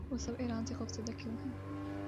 وہ سب ایران سے خوف زدہ کیوں ہیں؟